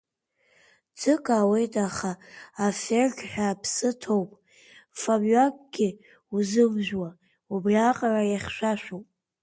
Ӡык аауеит, аха афеергьҳәа аԥсы ҭоуп, ҿамҩакгьы узымжәуа, убриаҟара ихьшәашәоуп.